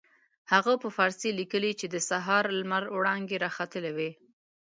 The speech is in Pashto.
هغه په فارسي لیکلي چې د سهار لمر وړانګې را ختلې وې.